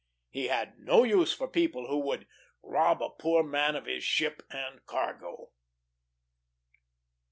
He had no use for people who would "rob a poor man of his ship and cargo."